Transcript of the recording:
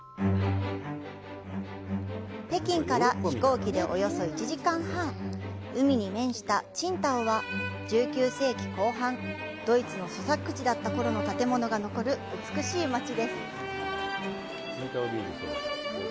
北京から飛行機でおよそ１時間半、海に面した青島は、１９世紀後半、ドイツの租借地だった頃の建物が残る美しい街です。